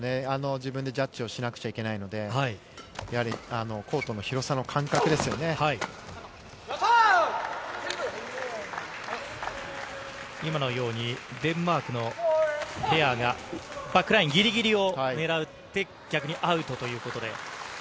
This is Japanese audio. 自分でジャッジをしなくてはいけないので、やはりコートの広さの今のように、デンマークのペアがバックラインぎりぎりを狙って、逆にアウトということで。